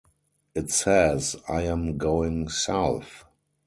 It says: I am going south.